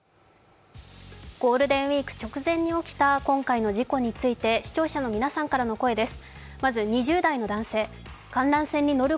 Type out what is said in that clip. ゴールデンウイーク直前に起きた今回の事故について視聴者の皆さんからの声です。